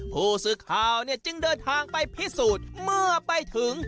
ผู้สื่อข่าวเนี่ยจึงเดินทางไปพิสูจน์เมื่อไปถึง